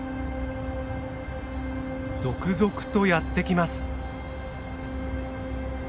続々とやって来ます。